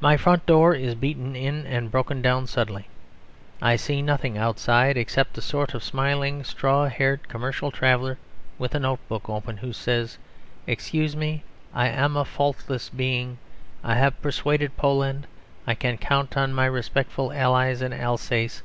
My front door is beaten in and broken down suddenly. I see nothing outside, except a sort of smiling, straw haired commercial traveller with a notebook open, who says, "Excuse me, I am a faultless being, I have persuaded Poland; I can count on my respectful Allies in Alsace.